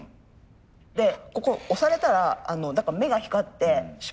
でここ押されたら目が光って尻尾ブルッ